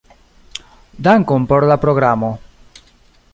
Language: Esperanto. Dankon por la programo.